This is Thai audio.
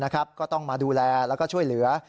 ก็ต้องมาดูแลแล้วก็ช่วยเหลือ